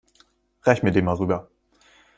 Reich mir den mal rüber.